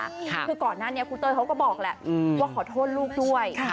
คือก่อนหน้านี้ครูเต้ยเขาก็บอกแหละว่าขอโทษลูกด้วย